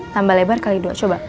tambah lebar kali dua coba